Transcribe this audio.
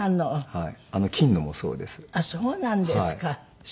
はい。